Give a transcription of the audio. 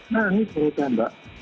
nah ini perhutang mbak